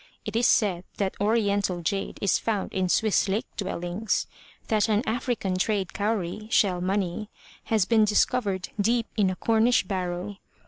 It is said that oriental jade is found in Swiss lake dwellings, that an African trade cowry (shell money) has been discovered deep in a Cornish barrow.